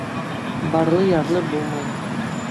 Барлы ярлы булмай.